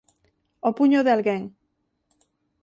O puño de alguén.